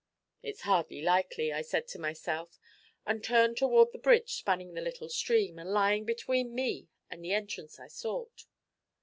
'It's hardly likely,' I said to myself, and turned toward the bridge spanning the little stream, and lying between me and the entrance I sought.